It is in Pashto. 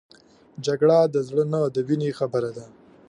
جګړه د زړه نه د وینې خبره ده